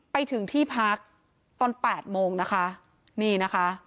ไปถึงที่พักตอนแปดโมงนะคะนี่นะคะ